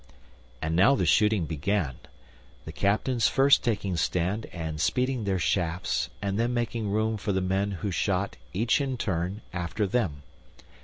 And now the shooting began, the captains first taking stand and speeding their shafts and then making room for the men who shot, each in turn, after them.